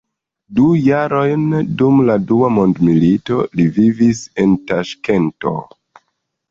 Du jarojn dum la Dua mondmilito li vivis en Taŝkento.